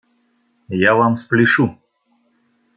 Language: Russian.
Я Вам спляшу!